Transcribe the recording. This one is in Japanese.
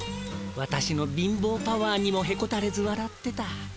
わたしの貧乏パワーにもへこたれずわらってた。